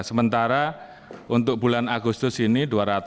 sementara untuk bulan agustus ini dua ratus